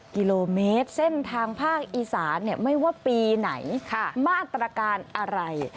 กิโลเมตรเส้นทางภาคอีสานไม่ว่าปีไหนมาตรการอะไร